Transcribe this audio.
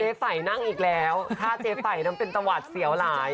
ไฝ่นั่งอีกแล้วถ้าเจ๊ไฝ่นั้นเป็นตะวัดเสียวหลาย